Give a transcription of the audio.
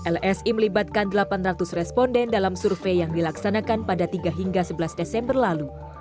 lsi melibatkan delapan ratus responden dalam survei yang dilaksanakan pada tiga hingga sebelas desember lalu